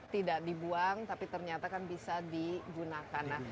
tidak dibuang tapi ternyata kan bisa digunakan